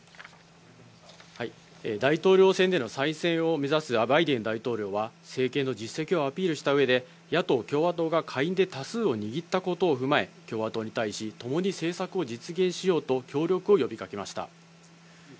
大統領選での再選を目指すバイデン大統領は、政権の実績をアピールした上で、野党・共和党が下院で多数を握ったことを踏まえ、共和党に対しともに政策を実現しようと協力を呼びかけました。